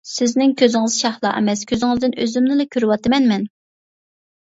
-سىزنىڭ كۆزىڭىز شەھلا ئەمەس، كۆزىڭىزدىن ئۆزۈمنىلا كۆرۈۋاتىمەن مەن!